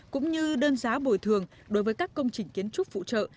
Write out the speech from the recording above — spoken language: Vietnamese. cũng như đơn giá bồi thường đối với các công trình kiến trúc phụ trợ